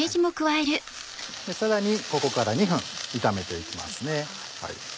さらにここから２分炒めていきます。